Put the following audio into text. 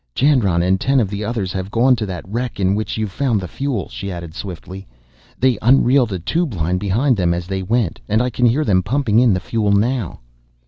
"Jandron and ten of the others have gone to that wreck in which you found the fuel," she added swiftly. "They unreeled a tube line behind them as they went, and I can hear them pumping in the fuel now."